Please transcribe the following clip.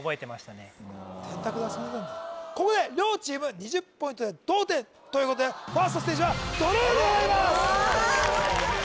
ここで両チーム２０ポイントで同点ということでファーストステージはドローになります